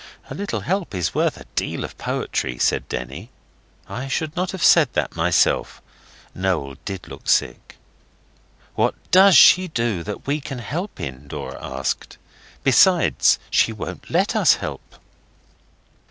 'A little help is worth a deal of poetry,' said Denny. I should not have said that myself. Noel did look sick. 'What DOES she do that we can help in?' Dora asked. 'Besides, she won't let us help.